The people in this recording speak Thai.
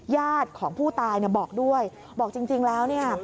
ญาติของผู้ตายบอกด้วยบอกจริงแล้ว